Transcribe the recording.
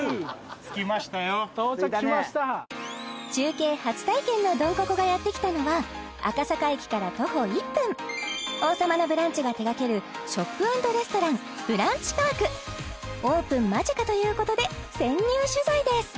着きましたよ到着しました中継初体験のドンココがやってきたのは赤坂駅から徒歩１分「王様のブランチ」が手掛けるショップ＆レストランブランチパークオープン間近ということで潜入取材です